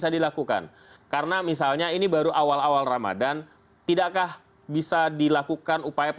dan saya memastikan bahwa rumah makan saya